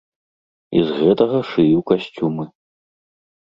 І з гэтага шыю касцюмы.